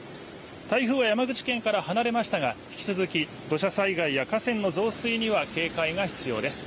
台風は山口県から離れましたが引き続き、土砂災害や河川の増水には警戒が必要です。